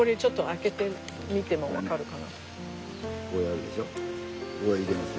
こうやるでしょ？